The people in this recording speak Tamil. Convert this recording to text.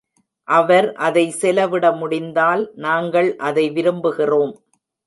அவர் அதை செலவிட முடிந்தால், நாங்கள் அதை விரும்புகிறோம்.